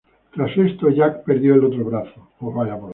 Tras esto, Jack perdió el otro brazo.